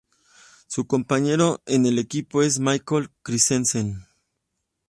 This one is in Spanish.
Su compañero en el equipo es Michael Christensen.